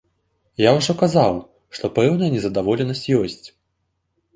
Я ўжо казаў, што пэўная незадаволенасць ёсць.